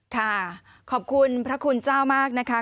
ค่ะขอบคุณพระคุณเจ้ามากนะคะ